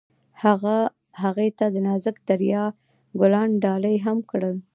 هغه هغې ته د نازک دریا ګلان ډالۍ هم کړل.